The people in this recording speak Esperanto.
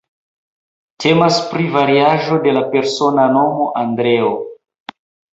Temas pri variaĵo de la persona nomo Andreo.